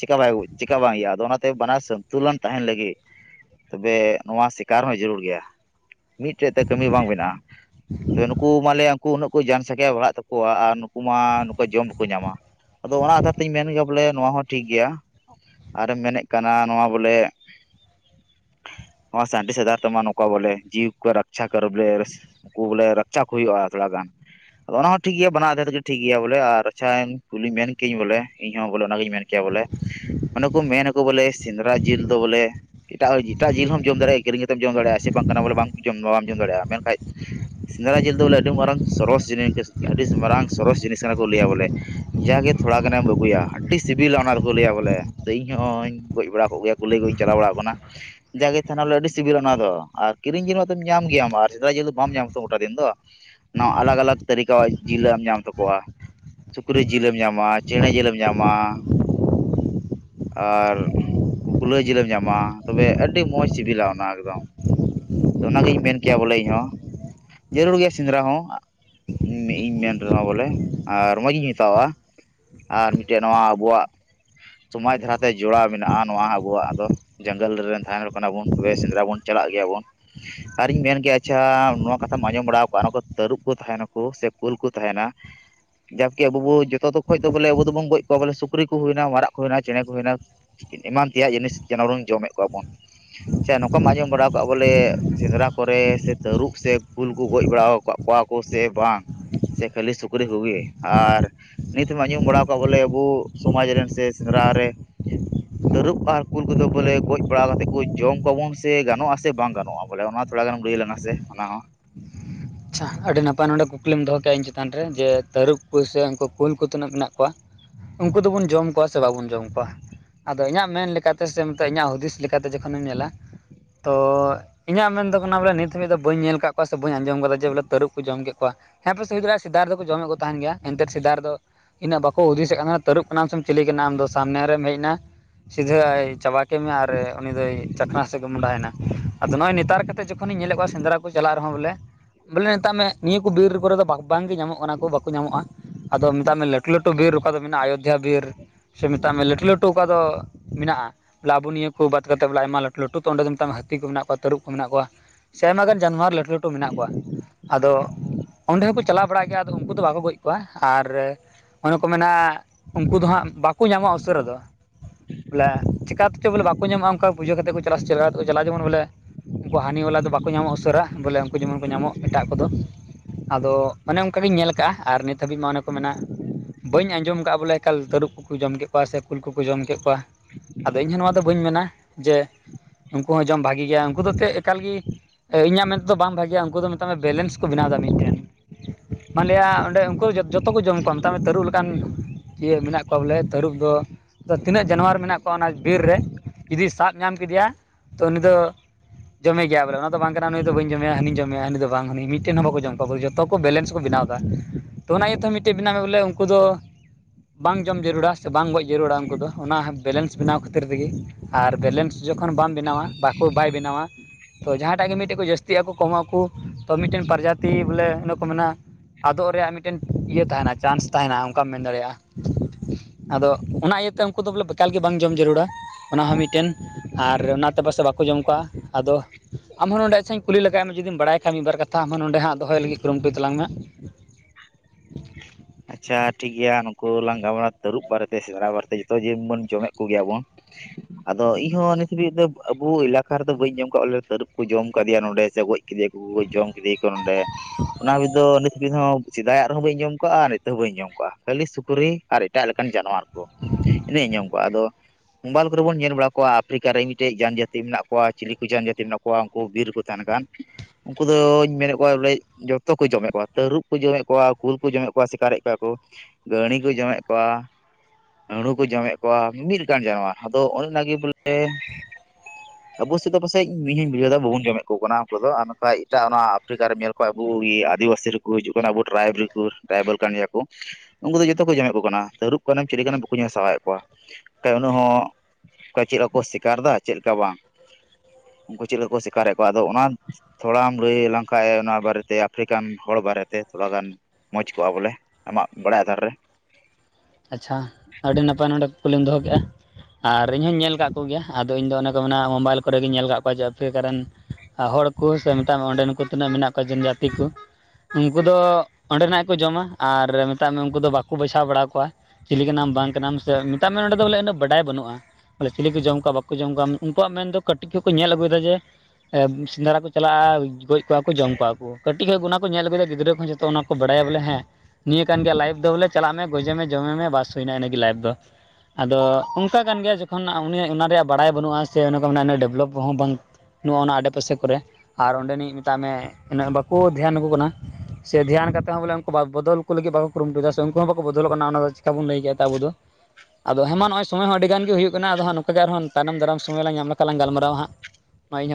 ᱪᱮᱠᱟ ᱵᱟᱭ ᱵᱩᱪ ᱪᱮᱠᱟ ᱵᱟᱝ ᱤᱭᱟᱹᱜᱼᱟ ᱟᱫᱚ ᱚᱱᱟᱛᱮ ᱵᱟᱱᱟᱨ ᱥᱚᱱᱛᱩᱞᱚᱱ ᱛᱟᱦᱮᱱ ᱞᱟᱹᱜᱤᱫ ᱛᱚᱵᱮ ᱱᱚᱣᱟ ᱥᱤᱠᱟᱨ ᱦᱚᱸ ᱡᱟᱹᱨᱩᱲ ᱜᱮᱭᱟ᱾ ᱢᱤᱫᱴᱮᱡ ᱛᱮ ᱠᱟᱹᱢᱤ ᱵᱟᱝ ᱵᱮᱱᱟᱜᱼᱟ, ᱛᱚᱵᱮ ᱱᱩᱠᱩ ᱢᱟᱞᱤᱭᱟ ᱠᱩ ᱩᱱᱟᱹᱜ ᱠᱚ ᱡᱟᱝ ᱥᱟᱠᱮᱭᱟ ᱵᱟᱲᱟᱜ ᱛᱟᱠᱚᱣᱟ ᱟᱨ ᱱᱩᱠᱩ ᱢᱟ ᱱᱚᱠᱩ ᱡᱚᱢ ᱵᱟᱠᱚ ᱧᱟᱢᱟ᱾ ᱟᱫᱚ ᱚᱱᱟ ᱟᱫᱷᱟᱨ ᱛᱮᱧ ᱢᱮᱱ ᱜᱮᱭᱟ ᱵᱚᱞᱮ ᱱᱚᱣᱟ ᱦᱚᱸ ᱴᱷᱤᱠ ᱜᱮᱭᱟ, ᱟᱨᱮᱢ ᱢᱮᱱᱮᱜ ᱠᱟᱱᱟ ᱱᱚᱣᱟ ᱵᱚᱞᱮ ᱱᱚᱣᱟ ᱥᱟᱱᱴᱤᱥ ᱟᱫᱷᱟᱨ ᱛᱮᱢᱟ ᱠᱚᱣᱟ ᱵᱚᱞᱮ ᱡᱤᱵᱽ ᱠᱳ ᱨᱚᱠᱪᱷᱟ ᱠᱟᱨᱳ ᱵᱚᱞᱮᱥ ᱠᱩ ᱵᱚᱞᱮ ᱨᱟᱠᱪᱟ ᱠᱚ ᱦᱩᱭᱩᱜᱼᱟ ᱛᱷᱚᱲᱟ ᱜᱟᱱ᱾ ᱟᱫᱚ ᱚᱱᱟ ᱦᱚᱸ ᱴᱷᱤᱠ ᱜᱮᱭᱟ ᱵᱟᱱᱟᱨ ᱟᱫᱷᱟᱨ ᱛᱮᱜᱮ ᱴᱷᱤᱠ ᱜᱮᱭᱟ ᱵᱚᱞᱮ ᱟᱪᱪᱷᱟᱧ ᱠᱩᱞᱤᱧ ᱢᱮᱱ ᱠᱮᱭᱟᱹᱧ ᱵᱚᱞᱮ ᱤᱧ ᱦᱚᱸ ᱵᱚᱞᱮ ᱚᱱᱟᱜᱤᱧ ᱢᱮᱱ ᱠᱮᱭᱟ ᱵᱚᱞᱮ, ᱚᱱᱮ ᱠᱚ ᱢᱮᱱᱟᱠᱚ ᱵᱚᱞᱮ ᱥᱮᱸᱫᱽᱨᱟ ᱡᱤᱞ ᱫᱚ ᱵᱚᱞᱮ ᱮᱴᱟᱜ ᱮᱴᱟᱜ ᱡᱤᱞ ᱦᱚᱸ ᱡᱚᱢ ᱫᱟᱲᱭᱟᱜᱼᱟ᱾ ᱤᱨᱤᱧ ᱠᱟᱛᱮ ᱡᱚᱢ ᱫᱟᱲᱭᱟᱜᱼᱟ ᱥᱮ ᱵᱟᱝ ᱠᱟᱱᱟ ᱵᱚᱞᱮ ᱵᱟᱝ ᱡᱚᱢ ᱵᱟᱢ ᱡᱚᱢ ᱫᱟᱲᱮᱭᱟᱜᱼᱟ ᱢᱮᱱᱠᱷᱟᱡ ᱥᱮᱸᱫᱽᱨᱟ ᱡᱤᱞ ᱫᱚ ᱵᱚᱞᱮ ᱟᱹᱰᱤ ᱢᱟᱨᱟᱝ ᱥᱚᱨᱚᱥ ᱡᱤᱱ ᱟᱹᱰᱤ ᱢᱟᱨᱟᱝ ᱥᱚᱨᱚᱥ ᱡᱤᱱᱤᱥ ᱠᱟᱱᱟ ᱠᱚ ᱞᱟᱹᱭᱟ ᱵᱚᱞᱮ᱾ ᱡᱟᱜᱮ ᱛᱷᱚᱲᱟ ᱜᱟᱱᱮᱢ ᱟᱹᱜᱩᱭᱟ ᱟᱹᱰᱤ ᱥᱤᱵᱤᱞᱟ ᱚᱱᱟ ᱫᱚᱠᱚ ᱞᱟᱹᱭᱟ ᱵᱚᱞᱮ ᱤᱧ ᱦᱚᱸᱧ ᱜᱚᱡ ᱵᱟᱲᱟ ᱠᱚ ᱜᱮᱭᱟ, ᱠᱩᱞᱟᱹᱭ ᱜᱟᱡ ᱳᱧ ᱪᱟᱞᱟᱣ ᱵᱟᱲᱟᱣ ᱠᱟᱱᱟ᱾ ᱡᱟᱜ ᱜᱮ ᱛᱟᱦᱮᱱᱟ ᱟᱹᱰᱤ ᱥᱤᱵᱤᱞᱟ ᱚᱱᱟ ᱫᱚ ᱟᱨ ᱠᱤᱨᱤᱧ ᱡᱤᱞ ᱢᱟᱛᱚᱢ ᱧᱟᱢ ᱜᱮᱭᱟᱢ ᱟᱨ ᱥᱮᱸᱫᱨᱟ ᱡᱤᱞ ᱫᱚ ᱵᱟᱢ ᱧᱟᱢᱟ ᱛᱚ ᱜᱚᱴᱟ ᱫᱤᱱ ᱫᱚ᱾ ᱱᱚᱣᱟ ᱟᱞᱟᱜᱽ ᱟᱞᱟᱜᱽ ᱛᱟᱹᱨᱤᱠᱟ ᱡᱤᱞᱮᱢ ᱧᱟᱢ ᱛᱟᱠᱚᱣᱟ᱾ ᱥᱩᱠᱨᱤ ᱡᱤᱞᱮᱢ ᱧᱟᱢᱟ, ᱪᱮᱬᱮ ᱡᱤᱞᱮᱢ ᱧᱟᱢᱟ᱾ ᱟᱨ ᱠᱩ-ᱠᱩᱞᱟᱹᱭ ᱡᱤᱞᱮᱢ ᱧᱟᱢᱟ᱾ ᱛᱚᱵᱮ ᱟᱹᱰᱤ ᱢᱚᱸᱡᱽ ᱥᱤᱵᱤᱞᱟ ᱚᱱᱟ ᱮᱠᱫᱚᱢ ᱛᱚ ᱚᱱᱟᱜᱤᱧ ᱢᱮᱱ ᱠᱮᱭᱟ ᱵᱚᱞᱮ ᱤᱧᱦᱚᱸ ᱡᱟᱹᱨᱩᱲ ᱜᱮᱭᱟ ᱥᱤᱸᱫᱽᱨᱟ ᱦᱚᱸ᱾ ᱤᱧ ᱤᱧ ᱢᱮᱱ ᱨᱮᱦᱚᱸ ᱵᱚᱞᱮ ᱟᱨ ᱢᱚᱸᱡᱽ ᱤᱧ ᱢᱮᱛᱟᱣᱟᱜᱼᱟ᱾ ᱟᱨ ᱢᱤᱫᱴᱮᱡ ᱱᱚᱣᱟ ᱟᱵᱚᱣᱟᱜ ᱥᱚᱢᱟᱡᱽ ᱫᱷᱟᱨᱟᱛᱮ ᱡᱚᱲᱟᱣ ᱢᱮᱱᱟᱜᱼᱟ ᱱᱚᱣᱟ ᱟᱵᱚᱣᱟᱜ ᱫᱚ᱾ ᱡᱟᱝᱜᱚᱞ ᱨᱮᱱ ᱛᱟᱦᱮᱱ ᱦᱚᱲ ᱠᱟᱱᱟ ᱵᱩᱱ, ᱛᱚᱵᱮ ᱥᱮᱸᱫᱽᱨᱟ ᱵᱚᱱ ᱪᱟᱞᱟᱜ ᱜᱮᱭᱟᱵᱚᱱ᱾ ᱟᱨᱤᱧ ᱢᱮᱱ ᱠᱮᱭᱟ ᱟᱪᱪᱷᱟ ᱱᱚᱣᱟ ᱠᱟᱛᱷᱟᱢ ᱟᱸᱡᱚᱢ ᱵᱟᱲᱟ ᱟᱠᱟᱜᱼᱟ ᱚᱱᱟ ᱠᱚ ᱛᱟᱹᱨᱩᱵᱽ ᱠᱚ ᱛᱟᱦᱮᱱᱟᱠᱚ ᱥᱮ ᱠᱩᱞ ᱠᱚ ᱛᱟᱦᱮᱱᱟ? ᱡᱟᱵᱠᱤ ᱟᱵᱚ ᱵᱚ ᱡᱚᱛᱚ ᱠᱷᱚᱡ ᱫᱚ ᱵᱚᱞᱮ ᱟᱵᱚ ᱫᱚᱵᱚᱱ ᱜᱚᱡ ᱠᱚᱣᱟ ᱵᱚᱞᱮ ᱥᱩᱠᱨᱤ ᱠᱚ ᱦᱩᱭᱱᱟ, ᱢᱟᱨᱟᱜ ᱦᱩᱭᱱᱟ, ᱪᱮᱬᱮ ᱠᱚ ᱦᱩᱭᱱᱟ᱾ ᱮᱢᱟᱱ ᱛᱮᱭᱟᱜ ᱡᱤᱱᱤᱥ ᱡᱟᱱᱟᱣᱚᱱ ᱡᱚᱢᱮᱫ ᱠᱚᱣᱟ ᱵᱚᱱ ᱥᱮ ᱱᱚᱝᱠᱟᱢ ᱟᱸᱡᱚᱢ ᱵᱟᱲᱟ ᱠᱟᱜᱼᱟ ᱵᱚᱞᱮ ᱥᱮᱸᱫᱽᱨᱟ ᱠᱚᱨᱮ ᱥᱮ ᱛᱟᱹᱨᱩᱵ ᱥᱮ ᱠᱩᱞ ᱠᱚ ᱜᱚᱡ ᱵᱟᱲᱟ ᱟᱠᱟᱟᱜ ᱠᱚᱣᱟ ᱠᱚ ᱥᱮ ᱵᱟᱝ? ᱥᱮ ᱠᱷᱟᱹᱞᱤ ᱥᱩᱠᱨᱤ ᱠᱚᱜᱮ? ᱟᱨ ᱱᱤᱛᱢᱟ ᱟᱸᱡᱚᱢ ᱵᱟᱲᱟ ᱟᱠᱟᱜ ᱵᱚᱞᱮ ᱟᱵᱚ ᱥᱚᱢᱟᱡᱽ ᱨᱮᱱ ᱥᱮᱸᱫᱽᱨᱟ ᱨᱮ ᱛᱟᱹᱨᱩᱵ ᱟᱨ ᱠᱩᱞ ᱠᱚᱫᱚ ᱵᱚᱞᱮ ᱜᱚᱡ ᱵᱟᱲᱟ ᱠᱟᱛᱮ ᱠᱚ ᱡᱚᱢ ᱠᱚᱣᱟᱵᱚᱱ ᱥᱮ ᱜᱟᱱᱚᱜᱼᱟ ᱥᱮ ᱵᱟᱝ ᱜᱟᱱᱚᱜᱼᱟ? ᱵᱚᱞᱮ ᱚᱱᱟ ᱛᱷᱚᱲᱟ ᱜᱟᱱ ᱞᱟᱹᱭ ᱞᱟᱝᱟ ᱥᱮ ᱚᱱᱟ ᱦᱚᱸ᱾ ᱟᱪᱪᱷᱟ ᱟᱹᱰᱤ ᱱᱟᱯᱟᱭ ᱱᱚᱸᱰᱮ ᱠᱩᱠᱞᱤᱢ ᱫᱚᱦᱚ ᱠᱮᱜᱼᱟ ᱤᱧ ᱪᱮᱛᱟᱱ ᱨᱮ ᱡᱮ ᱛᱟᱹᱨᱩᱵ ᱠᱚ ᱥᱮ ᱩᱱᱠᱩ ᱠᱩᱞ ᱠᱚ ᱛᱤᱱᱟᱹᱜ ᱢᱮᱱᱟᱜ ᱠᱚᱣᱟ? ᱩᱝᱠᱩ ᱫᱚᱵᱚᱱ ᱡᱚᱢ ᱠᱚᱣᱟ ᱥᱮ ᱵᱟᱵᱚᱱ ᱡᱚᱢ ᱠᱚᱣᱟ? ᱟᱫᱚ ᱤᱧᱟᱹᱜ ᱢᱮᱱ ᱞᱮᱠᱟᱛᱮ ᱥᱮ ᱢᱮᱛᱟᱜ ᱤᱧᱟᱹᱜ ᱦᱩᱫᱤᱥ ᱞᱮᱠᱟᱛᱮ ᱡᱚᱠᱷᱚᱱᱮᱢ ᱧᱮᱞᱟ ᱛᱚ ᱤᱧᱟᱹᱜ ᱢᱮᱱᱫᱚ ᱠᱟᱱᱟ ᱵᱚᱞᱮ ᱱᱤᱛ ᱦᱟᱹᱵᱤᱡ ᱫᱚ ᱵᱟᱹᱧ ᱧᱮᱞ ᱟᱠᱟᱫ ᱠᱚᱣᱟ ᱥᱮ ᱵᱟᱹᱧ ᱟᱸᱡᱚᱢ ᱠᱟᱫᱟ᱾ ᱡᱮ ᱵᱚᱞᱮ ᱛᱟᱹᱨᱩᱵ ᱠᱚ ᱡᱚᱢ ᱠᱮᱫ ᱠᱚᱣᱟ, ᱦᱮᱸ ᱯᱟᱥᱮᱜ ᱥᱮᱫᱟᱭ ᱨᱮ ᱫᱚᱠᱚ ᱡᱚᱢᱮᱫ ᱠᱚ ᱛᱟᱦᱮᱱ ᱜᱮᱭᱟ ᱮᱱᱛᱮ ᱥᱮᱫᱟᱭ ᱨᱮ ᱫᱚ ᱤᱱᱟᱹᱜ ᱵᱟᱠᱚ ᱦᱩᱫᱤᱥᱮᱫ ᱠᱟᱱ ᱛᱟᱦᱮᱱᱟ, ᱛᱟᱹᱨᱩᱵ ᱠᱟᱱᱟᱢ ᱥᱮᱢ ᱪᱤᱞᱤ ᱠᱟᱱᱟ ᱟᱢ ᱫᱚ ᱥᱟᱢᱱᱮ ᱨᱮᱢ ᱦᱮᱡ ᱮᱱᱟ ᱥᱤᱫᱷᱟᱹᱭ ᱪᱟᱵᱟ ᱠᱟᱹᱭᱟ ᱟᱨ ᱩᱱᱤ ᱫᱚᱭ ᱪᱟᱠᱷᱱᱟ ᱥᱮᱜ ᱜᱮ ᱢᱸᱰᱟᱭᱱᱟ, ᱟᱫᱚ ᱱᱚᱜᱼᱚᱭ ᱱᱮᱛᱟᱨ ᱠᱟᱛᱮᱜ ᱡᱚᱠᱷᱚᱱᱤᱧ ᱧᱮᱞᱮᱫ ᱠᱚᱣᱟ ᱥᱮᱸᱫᱽᱨᱟ ᱠᱚ ᱪᱟᱞᱟᱜ ᱨᱮᱦᱚᱸ ᱵᱚᱞᱮ ᱵᱚᱞᱮ ᱢᱮᱛᱟᱜ ᱢᱮ ᱱᱤᱭᱟᱹ ᱠᱚ ᱵᱤᱨ ᱠᱚᱨᱮ ᱫᱚ ᱵᱟᱝᱜᱮ ᱧᱟᱢᱚᱜ ᱠᱟᱱᱟ ᱠᱚ ᱵᱟᱠᱚ ᱧᱟᱢᱚᱜᱼᱟ ᱟᱫᱚ ᱢᱮᱛᱟᱜ ᱢᱮ ᱞᱟᱹ ᱞᱟᱹᱴᱩ ᱞᱟᱹᱴᱩ ᱵᱤᱨ ᱚᱠᱟ ᱫᱚ ᱢᱮᱱᱟᱜᱼᱟ ᱟᱭᱳᱫᱷᱟ ᱵᱤᱨ ᱥᱮ ᱢᱮᱛᱟᱜ ᱢᱮ ᱞᱟᱹᱴᱩ ᱞᱟᱹᱴᱩ ᱚᱠᱟᱫᱚ ᱢᱮᱱᱟᱜᱼᱟ᱾ ᱞᱟᱵᱩᱱᱤᱭᱟᱹ ᱠᱚ ᱵᱟᱫ ᱠᱟᱛᱮ ᱟᱭᱢᱟ ᱞᱟᱹᱴᱩ ᱞᱟᱹᱴᱩ ᱛᱚ ᱚᱸᱰᱮ ᱫᱚ ᱢᱮᱛᱟᱜ ᱢᱮ ᱦᱟᱹᱛᱤ ᱠᱚ ᱢᱮᱱᱟᱜ ᱠᱚᱣᱟ᱾ ᱛᱟᱹᱨᱩᱵ ᱠᱚ ᱢᱮᱱᱟᱜ ᱠᱚᱣᱟ, ᱥᱮ ᱟᱭᱢᱟ ᱜᱟᱱ ᱡᱟᱱᱣᱟᱨ ᱞᱟᱹᱴᱩ ᱞᱟᱹᱴᱩ ᱢᱮᱱᱟᱜ ᱠᱚᱣᱟ᱾ ᱟᱫᱚ ᱚᱸᱰᱮ ᱦᱚᱸᱠᱚ ᱪᱟᱞᱟᱣ ᱵᱟᱲᱟᱭ ᱜᱮᱭᱟ ᱟᱫᱚ ᱩᱱᱠᱩ ᱫᱚ ᱵᱟᱠᱚ ᱜᱚᱡ ᱠᱚᱣᱟ, ᱟᱨ ᱚᱱᱮ ᱠᱚ ᱢᱮᱱᱟ ᱩᱝᱠᱩ ᱫᱚ ᱦᱟᱸᱜ ᱵᱟᱠ ᱵᱟᱠᱩ ᱧᱟᱢᱟ ᱩᱥᱟᱹᱨᱟ ᱫᱚ ᱵᱚᱞᱮ ᱪᱤᱠᱟᱹᱛᱮᱪᱚ ᱵᱚᱞᱮ ᱵᱟ ᱠᱚ ᱧᱟᱢᱟ ᱚᱱᱠᱟ ᱯᱩᱡᱟᱹ ᱠᱟᱛᱮᱫ ᱠᱚ ᱪᱟᱜ ᱪᱮᱫ ᱞᱮᱠᱟ ᱠᱚ ᱪᱟᱞᱟᱜᱼᱟ, ᱡᱮᱢᱚᱱ ᱵᱚᱞᱮᱼᱼ ᱩᱱᱠᱩ ᱦᱟᱹᱱᱤ ᱵᱟᱞᱟ ᱫᱚ ᱵᱟᱠᱚ ᱧᱟᱢᱚᱜ ᱩᱥᱟᱹᱨᱟ ᱵᱚᱞᱮ ᱩᱱᱠᱩ ᱡᱮᱢᱚᱱ ᱠᱚ ᱧᱟᱢᱚᱜ᱾ ᱮᱴᱟᱜ ᱠᱚᱫᱚ ᱟᱫᱚ ᱚᱱᱮ ᱚᱱᱠᱟ ᱜᱤᱧ ᱧᱮᱞ ᱟᱠᱟᱜᱼᱟ ᱟᱨ ᱱᱤᱛ ᱦᱟᱹᱵᱤᱡ ᱢᱟ ᱚᱱᱮ ᱠᱚ ᱢᱮᱱᱟᱼᱼ ᱵᱟᱹᱧ ᱟᱸᱡᱚᱢ ᱟᱠᱟᱫᱴᱜᱼᱟ, ᱵᱚᱞᱮ ᱮᱠᱟᱞ ᱛᱟᱹᱨᱩᱵ ᱠᱚᱠᱚ ᱡᱚᱢ ᱠᱮᱫ ᱠᱚᱣᱟ ᱥᱮ ᱠᱩᱞ ᱠᱚᱠᱚ ᱡᱚᱢ ᱠᱮᱫ ᱠᱚᱣᱟ᱾ ᱟᱫᱚ ᱤᱧ ᱦᱚᱸ ᱱᱚᱣᱟ ᱫᱚ ᱵᱟᱹᱧ ᱢᱮᱱᱟ ᱡᱮᱼᱼ ᱩᱱᱠᱩ ᱦᱚᱸ ᱡᱚᱢ ᱵᱷᱟᱜᱤ ᱜᱤᱭᱟ ᱩᱱᱠᱩ ᱫᱚ ᱛᱮᱫ ᱮᱠᱟᱞ ᱜᱤ ᱤᱧᱟᱜ ᱢᱮᱱ ᱛᱮᱫᱚ ᱵᱟᱝ ᱵᱷᱟᱜᱮᱭᱟ ᱩᱱᱠᱩ ᱫᱚᱼᱼ ᱮ ᱵᱮᱞᱮᱱᱥ ᱠᱚ ᱵᱮᱱᱟᱣ ᱫᱟ ᱢᱤᱫᱴᱮᱱ ᱢᱟᱱᱞᱤᱭᱟ ᱚᱸᱰᱮ ᱩᱱᱠᱩ ᱡᱚᱛᱚ ᱠᱚ ᱡᱚᱢ ᱠᱚᱣᱟ ᱢᱮᱛᱟᱜ ᱢᱮ ᱛᱟᱹᱨᱩᱵᱽ ᱞᱮᱠᱟᱱ᱾ ᱤᱭᱟᱹᱲ ᱢᱮᱱᱟᱜ ᱠᱚᱣᱟ ᱵᱚᱞᱮ ᱛᱟᱹᱨᱩᱵ ᱫᱚ᱾ ᱟᱫᱚ ᱛᱤᱱᱟᱹᱜ ᱡᱟᱱᱣᱟᱨ ᱢᱮᱱᱟᱜ ᱠᱚᱣᱟ ᱚᱱᱟ ᱵᱤᱨ ᱨᱮ ᱡᱩᱫᱤᱭ ᱥᱟᱵ ᱧᱟᱢ ᱠᱮᱫᱮᱭᱟ, ᱛᱚ ᱩᱱᱤ ᱫᱚᱼᱼ ᱡᱚᱢᱮ ᱜᱮᱭᱟᱭ ᱵᱚᱞᱮ ᱚᱱᱟ ᱫᱚ ᱵᱟᱝ ᱠᱟᱱᱟ ᱱᱩᱭ ᱫᱚ ᱵᱟᱹᱧ ᱡᱚᱢᱮᱭᱟ ᱦᱟᱹᱱᱤᱧ ᱡᱚᱢᱮᱭᱟ ᱦᱟᱱᱤ ᱫᱚᱼᱼ ᱵᱟᱝ ᱦᱟᱱᱤ ᱢᱤᱫᱴᱮᱱ ᱦᱚᱸ ᱵᱟᱠᱚ ᱡᱚᱢ ᱠᱚᱣᱟ ᱵᱚᱞᱮ ᱡᱚᱛᱚ ᱠᱚ ᱵᱮᱞᱮᱱᱥ ᱠᱚ ᱵᱮᱱᱟᱣ ᱮᱫᱟ᱾ ᱛᱚ ᱚᱱᱟ ᱤᱭᱟᱹᱛᱮ ᱢᱤᱫᱴᱟᱝ ᱵᱮᱱᱟᱣ ᱢᱮ ᱵᱚᱞᱮ ᱩᱱᱠᱩ ᱫᱚᱼᱼ ᱵᱟᱝ ᱡᱚᱢ ᱡᱟᱹᱨᱩᱲᱟ ᱥᱮ ᱵᱟᱝ ᱜᱚᱡ ᱡᱟᱹᱨᱩᱲᱟ ᱩᱱᱠᱩ ᱫᱚ ᱚᱱᱟ ᱵᱮᱞᱮᱱᱥ ᱵᱮᱱᱟᱣ ᱠᱷᱟᱹᱛᱤᱨ ᱛᱮᱜᱮᱼᱼ ᱟᱨ ᱵᱮᱞᱮᱱᱥ ᱡᱚᱠᱷᱚᱱ ᱵᱟᱢ ᱵᱮᱱᱟᱣᱟ ᱵᱟᱠᱚ ᱵᱟᱭ ᱵᱮᱱᱟᱣᱟᱼᱼ ᱛᱚ ᱡᱟᱦᱟᱸᱴᱟᱭ ᱜᱮ ᱢᱤᱫᱴᱮᱱ ᱠᱚ ᱡᱟᱹᱥᱛᱤᱜᱼᱟ ᱠᱚ ᱠᱚᱢᱚᱜ ᱟᱠᱩ ᱛᱚ ᱢᱤᱫᱴᱮᱱ ᱯᱟᱨᱡᱟᱛᱤ ᱵᱚᱞᱮ ᱤᱱᱟᱹᱠᱚ ᱢᱮᱱᱟᱼᱼ ᱟᱫᱚᱜ ᱨᱮᱭᱟᱜ ᱢᱤᱫᱴᱮᱱ ᱤᱭᱟᱹ ᱛᱟᱦᱮᱱᱟ ᱪᱟᱱᱥ ᱛᱟᱦᱮᱱᱟ ᱚᱱᱠᱟᱢ ᱢᱮᱱ ᱫᱟᱲᱮᱭᱟᱜᱼᱟ᱾ ᱟᱫᱚ ᱚᱱᱟ ᱤᱭᱟᱹᱛᱮ ᱩᱱᱠᱩ ᱫᱚ ᱵᱚᱞᱮ ᱮᱠᱟᱞ ᱜᱮ ᱵᱟᱝ ᱡᱚᱢ ᱡᱟᱹᱨᱩᱲᱟ᱾ ᱚᱱᱟ ᱦᱚᱸ ᱢᱤᱫᱴᱮᱱ ᱟᱨ ᱚᱱᱟᱛᱮ ᱯᱟᱥᱮᱡ ᱵᱟᱠᱚ ᱡᱚᱢ ᱠᱚᱣᱟ, ᱟᱫᱚᱼᱼ ᱟᱢᱦᱚ ᱱᱚᱰᱮ ᱟᱪᱪᱷᱟᱧ ᱠᱩᱞᱤ ᱞᱮᱜᱟ ᱢᱮᱭᱟ ᱡᱩᱫᱤᱢ ᱵᱟᱲᱟᱭ ᱠᱷᱟᱱ, ᱢᱤᱫᱵᱟᱨ ᱠᱟᱛᱷᱟ ᱦᱚ ᱱᱚᱰᱮ ᱦᱟᱸᱜ ᱫᱚᱦᱚᱭ ᱞᱟᱹᱜᱤᱫ ᱠᱩᱨᱩᱢᱴᱩᱭ ᱛᱟᱞᱟᱝ ᱢᱮ ᱦᱟᱜᱼᱼ ᱟᱪᱪᱷᱟ ᱴᱷᱤᱠ ᱜᱮᱭᱟ ᱱᱩᱠᱩ ᱞᱟᱸᱜᱟ ᱵᱟᱲᱟ ᱛᱟᱹᱨᱩᱵ ᱵᱟᱨᱮᱛᱮ ᱥᱮᱸᱫᱽᱨᱟ ᱵᱟᱨᱮᱛᱮ ᱡᱚᱛᱚ ᱡᱤᱵ ᱵᱚᱱ ᱡᱚᱢᱮᱫ ᱠᱚᱜᱮᱭᱟ ᱵᱚᱱ᱾ ᱟᱫᱚ ᱤᱧ ᱦᱚᱸ ᱱᱤᱛ ᱦᱟᱹᱵᱤᱡ ᱫᱚ ᱟᱵᱚ ᱮᱞᱟᱠᱟ ᱨᱮᱫᱚ ᱵᱟᱹᱧ ᱟᱸᱡᱚᱢ ᱟᱠᱟᱜᱼᱟ, ᱵᱚᱞᱮ ᱛᱟᱹᱨᱩᱵ ᱠᱚ ᱡᱚᱢ ᱠᱟᱫᱮᱭᱟ ᱱᱚᱰᱮ ᱥᱮ ᱜᱚᱡᱼᱼ ᱠᱮᱫᱮᱭᱟ ᱠᱚ ᱡᱚᱢ ᱠᱮᱫᱮᱭᱟ ᱠᱚ ᱱᱚᱰᱮ ᱚᱱᱟ ᱫᱚ ᱱᱤᱛ ᱦᱟᱹᱵᱤᱡ ᱦᱚᱸ ᱥᱮᱫᱟᱭᱟᱜ ᱨᱮᱦᱚᱸ ᱵᱟᱹᱧ ᱡᱚᱢ ᱠᱚᱜᱼᱟ᱾ ᱵᱟᱹᱧ ᱟᱸᱡᱚᱢ ᱠᱟᱜᱼᱟ, ᱠᱷᱟᱹᱞᱤ ᱥᱩᱠᱨᱤ ᱟᱨ ᱮᱴᱟᱜ ᱞᱮᱠᱟᱱ ᱡᱟᱱᱣᱟᱨ ᱠᱚ ᱤᱱᱟᱹᱧ ᱡᱚᱢ ᱠᱟᱜᱼᱟ, ᱟᱫᱚᱼᱼ ᱢᱳᱵᱟᱭᱤᱞ ᱠᱚᱨᱮ ᱵᱚᱱ ᱧᱮᱞ ᱵᱟᱲᱟ ᱠᱚᱣᱟ ᱟᱯᱷᱨᱤᱠᱟ ᱨᱮ ᱢᱤᱫᱴᱮᱡ ᱡᱟᱱᱡᱟᱹᱛᱤ ᱢᱮᱱᱟᱜ ᱠᱚᱣᱟ ᱪᱤᱞᱤ ᱠᱚ ᱡᱟᱱᱡᱟᱹᱛᱤ ᱢᱮᱱᱟᱜ ᱠᱚᱣᱟ ᱩᱱᱠᱩ ᱵᱤᱨ ᱨᱮᱠᱚ ᱛᱟᱦᱮᱱ ᱠᱟᱱ᱾ ᱩᱱᱠᱩ ᱫᱚᱧ ᱢᱮᱱᱮᱫ ᱠᱚᱣᱟ ᱵᱚᱞᱮ ᱡᱚᱛᱛᱚ ᱠᱚ ᱡᱚᱢᱮᱫ ᱠᱚᱣᱟ ᱛᱟᱹᱨᱩᱵ ᱠᱚ ᱡᱚᱢᱮᱫ ᱠᱚᱣᱟ, ᱠᱩᱞ ᱠᱚ ᱡᱚᱢᱮᱫ ᱠᱚᱣᱟ᱾ ᱟᱠᱟᱨᱮᱫ ᱠᱚᱣᱟ ᱠᱚ, ᱜᱟᱹᱲᱤ ᱠᱚ ᱡᱚᱢᱮᱫ ᱠᱚᱣᱟ᱾ ᱦᱟᱹᱲᱩ ᱠᱚ ᱡᱚᱢᱮᱫ ᱠᱚᱣᱟ ᱢᱤᱫ ᱞᱮᱠᱟᱱ ᱡᱟᱱᱣᱟᱨ ᱟᱫᱚ ᱚᱱᱮ ᱚᱱᱟᱜᱮ ᱵᱚᱞᱮᱼᱼ ᱟᱵᱚ ᱥᱮᱫ ᱫᱚ ᱯᱟᱥᱮᱡ ᱤᱧ ᱵᱩᱡᱷᱟᱹᱣᱟ ᱵᱟᱵᱚᱱ ᱡᱚᱢᱮᱫ ᱠᱚ ᱠᱟᱱᱟ ᱩᱱᱠᱩ ᱫᱚ ᱟᱨ ᱱᱚᱝᱠᱟ ᱮᱴᱟᱜ ᱚᱱᱟ ᱟᱯᱷᱨᱤᱠᱟ ᱨᱮ ᱧᱮᱞᱼᱼ ᱟᱵᱚ ᱤᱭᱟᱹ ᱟᱹᱫᱤᱵᱟᱹᱥᱤ ᱨᱮᱠᱚ ᱦᱤᱡᱩᱜ ᱠᱟᱱᱟ ᱟᱵᱚ ᱴᱨᱟᱭᱤᱵᱽ ᱨᱮᱠᱚ ᱴᱨᱟᱭᱵᱮᱞᱼᱼ ᱜᱮᱭᱟ ᱠᱚ ᱩᱱᱠᱩ ᱫᱚ ᱡᱚᱛᱚ ᱠᱚ ᱡᱚᱢᱮᱫ ᱠᱚ ᱠᱟᱱᱟ ᱛᱟᱹᱨᱩᱵ ᱠᱟᱱᱟᱢ ᱪᱮᱫ ᱠᱟᱱᱟᱢ ᱵᱟᱠᱚ ᱧᱮᱞ ᱥᱟᱦᱟᱣᱮᱫ ᱠᱚᱣᱟ᱾ ᱵᱟᱠᱷᱟᱡ ᱩᱱᱟᱹᱜ ᱦᱚᱸ ᱪᱮᱫ ᱞᱮᱠᱟ ᱠᱚ ᱥᱤᱠᱟᱨ ᱮᱫᱟ ᱪᱮᱫ ᱞᱮᱠᱟ ᱵᱟᱝ᱾ ᱩᱱᱠᱩ ᱪᱮᱫ ᱞᱮᱠᱟ ᱠᱚ ᱥᱤᱠᱟᱨᱮᱫ ᱠᱚᱣᱟ ᱟᱫᱚ ᱚᱱᱟᱼᱼ ᱛᱷᱚᱲᱟᱢ ᱞᱟᱹᱭ ᱟᱞᱟᱝ ᱠᱷᱟᱡ ᱚᱱᱟ ᱵᱟᱨᱮᱛᱮ ᱟᱯᱷᱨᱤᱠᱟᱱ ᱦᱚᱲ ᱵᱟᱨᱮᱛᱮ, ᱛᱷᱚᱲᱟᱜᱟᱱ ᱢᱚᱸᱡᱽ ᱠᱚᱜᱼᱟ ᱵᱚᱞᱮ᱾ ᱟᱢᱟᱜ ᱵᱟᱲᱟᱭ ᱟᱫᱷᱟᱨ ᱨᱮ᱾ ᱟᱪᱪᱷᱟ ᱟᱹᱰᱤ ᱱᱟᱯᱟᱭ ᱱᱚᱰᱮ ᱠᱩᱴᱞᱤᱢ ᱫᱚᱦᱚ ᱠᱮᱜᱼᱟ᱾ ᱟᱨ ᱤᱧ ᱦᱚᱧ ᱧᱮᱞ ᱠᱟᱫ ᱠᱚ ᱜᱮᱭᱟ ᱟᱫᱚ ᱤᱧᱫᱚ ᱚᱱᱮ ᱠᱚ ᱢᱮᱱᱟ ᱢᱳᱵᱟᱭᱤᱞ ᱠᱚᱨᱮ ᱜᱤᱧ ᱧᱮᱞ ᱠᱟᱫ ᱠᱚᱣᱟ ᱡᱮ ᱟᱯᱨᱤᱠᱟ ᱨᱮᱱᱼᱼ ᱟᱨ ᱦᱚᱲ ᱠᱚ ᱥᱮ ᱢᱮᱛᱟᱜ ᱢᱮ ᱚᱸᱰᱮ ᱛᱤᱱᱟᱹᱜ ᱢᱮᱱᱟᱜ ᱠᱚᱣᱟ ᱡᱤᱱ ᱡᱟᱹᱛᱤ ᱠᱚᱼᱼ ᱩᱱᱠᱩ ᱫᱚ ᱚᱸᱰᱮᱱᱟᱜ ᱜᱮ ᱠᱚ ᱡᱚᱢᱟ ᱟᱨ ᱢᱮᱛᱟᱜ ᱢᱮ ᱩᱱᱠᱩ ᱫᱚ ᱵᱟᱠᱚ ᱵᱟᱪᱷᱟᱣ ᱵᱟᱲᱟ ᱠᱚᱣᱟ᱾ ᱪᱤᱞᱤ ᱠᱟᱱᱟᱢ ᱵᱟᱝ ᱠᱟᱱᱟᱢ ᱥᱮ ᱢᱮᱛᱟᱜ ᱢᱮ ᱱᱚᱰᱮ ᱫᱚ ᱵᱚᱞᱮ ᱩᱱᱟᱹᱜ ᱵᱟᱰᱟᱭ ᱵᱟᱹᱱᱩᱜᱼᱟ᱾ ᱪᱤᱞᱤ ᱠᱚ ᱡᱚᱢ ᱠᱚᱣᱟ ᱵᱟᱠᱚ ᱡᱚᱢ ᱠᱚᱣᱟ ᱩᱱᱠᱩᱣᱟᱜ ᱢᱮᱱᱫᱚ ᱠᱟᱹᱴᱤᱡ ᱠᱷᱚᱡ ᱠᱚ ᱧᱮᱞ ᱟᱹᱜᱩᱭᱮᱫᱟ ᱡᱮᱼᱼ ᱥᱮᱸᱫᱽᱨᱟ ᱠᱚ ᱪᱟᱞᱟᱜᱼᱟ, ᱜᱚᱡ ᱠᱚᱣᱟ ᱠᱚ ᱡᱚᱢ ᱠᱚᱣᱟ ᱠᱚ ᱠᱟᱹᱴᱤᱡ ᱠᱷᱚᱡ ᱜᱮ ᱚᱱᱟ ᱼᱼ ᱠᱚ ᱧᱮᱞ ᱟᱹᱜᱩᱭᱮᱫᱟ ᱜᱤᱫᱽᱨᱟᱹ ᱠᱚ ᱡᱚᱛᱚ ᱚᱱᱟ ᱠᱚ ᱵᱟᱲᱟᱭᱟ ᱵᱚᱞᱮ ᱦᱮᱸ ᱱᱤᱭᱟᱹ ᱠᱟᱱ ᱜᱮᱭᱟ ᱞᱟᱭᱤᱯ ᱫᱚ ᱵᱚᱞᱮ ᱪᱟᱞᱟᱜ ᱢᱮ ᱜᱚᱡᱮ ᱢᱮᱼᱼ ᱡᱚᱢᱮ ᱢᱮ ᱵᱟᱥ ᱦᱩᱭᱮᱱᱟ ᱤᱱᱟᱹ ᱜᱮ ᱞᱟᱭᱤᱯ ᱫᱚ᱾ ᱟᱫᱚ ᱚᱝᱠᱟ ᱠᱟᱱ ᱜᱮᱭᱟ ᱡᱚᱠᱷᱚᱱ ᱚᱱᱟ ᱨᱮᱭᱟᱜ ᱵᱟᱲᱟᱭ ᱵᱟᱹᱱᱩᱜᱼᱟ ᱥᱮ ᱚᱱᱟ ᱠᱚ ᱢᱮᱱᱟ ᱩᱱᱟᱹᱜ ᱰᱮᱵᱷᱞᱚᱯ ᱦᱚᱸ ᱵᱟᱝᱼᱼ ᱱᱚᱣᱟ ᱱᱟ ᱟᱰᱮ ᱯᱟᱥᱮ ᱠᱚᱨᱮ ᱟᱨ ᱚᱸᱰᱮᱱᱤᱡ ᱢᱮᱛᱟᱜ ᱢᱮ ᱩᱱᱟᱹᱜ ᱵᱟᱠᱚ ᱫᱷᱮᱭᱟᱱ ᱟᱠᱚ ᱠᱟᱱᱟ᱾ ᱥᱮ ᱫᱷᱮᱭᱟᱱ ᱠᱟᱛᱮᱫ ᱦᱚᱸ ᱵᱚᱞᱮ ᱩᱱᱠᱩ ᱵᱟᱠᱚ ᱵᱚᱫᱚᱞ ᱠᱚ ᱞᱟᱹᱜᱤᱫ ᱵᱟᱠᱚ ᱠᱩᱨᱩᱢᱩᱴᱩᱭ ᱫᱟ ᱥᱮ ᱩᱱᱠᱩ ᱦᱚᱸ ᱵᱟᱠᱚ ᱵᱚᱫᱚᱞᱚᱜ ᱼᱼ ᱠᱚᱱᱟ ᱚᱱᱟ ᱫᱚ ᱪᱤᱠᱟ ᱵᱚᱱ ᱞᱟᱹᱭ ᱠᱮᱭᱟ ᱟᱵᱚ ᱫᱚᱼᱼ ᱟᱫᱚ ᱦᱮᱸ ᱱᱚᱜᱼᱚᱭ ᱥᱚᱢᱚᱭ ᱦᱚᱸ ᱟᱹᱰᱤ ᱜᱟᱱ ᱜᱮ ᱦᱩᱭᱩᱜ ᱠᱟᱱᱟ ᱟᱫᱚ ᱦᱟᱸᱜ ᱱᱚᱝᱠᱟ ᱜᱮ ᱟᱨᱦᱚᱸ ᱛᱟᱭᱚᱢᱟᱢ ᱫᱟᱨᱟᱢ ᱥᱚᱢᱚᱭ ᱞᱟᱝ ᱧᱟᱢ ᱞᱮᱠᱷᱟᱱ ᱞᱟᱝ ᱜᱟᱞᱢᱟᱨᱟᱣ ᱦᱟᱜ᱾